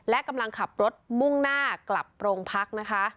และกำลังขับรถมุ่งหน้ากลับโรงพักนะคะ